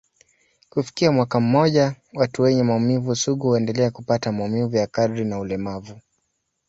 Kufikia mwaka mmoja, watu wenye maumivu sugu huendelea kupata maumivu ya kadri na ulemavu.